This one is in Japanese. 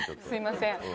すいません。